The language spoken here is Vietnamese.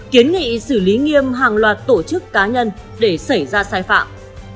kiến nghị xử lý nghiêm hàng loạt tổ chức cá nhân để xảy ra sai phạm